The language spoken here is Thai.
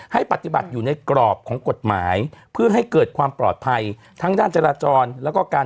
ให้ปฏิบัติอยู่ในกรอบของกฎหมายเพื่อให้เกิดความปลอดภัยทั้งด้านจราจรแล้วก็การ